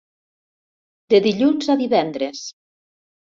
De dilluns a divendres.